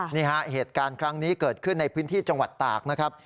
นี่ฮะเหตุการณ์ครั้งนี้เกิดขึ้นในพื้นที่จังหวัดตากนะครับ